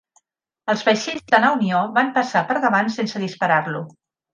Els vaixells de la Unió van passar per davant sense disparar-lo.